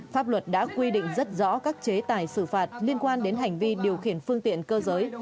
pháp luật đã quy định rất rõ các chế tài xử phạt liên quan đến hành vi điều khiển phương tiện cơ giới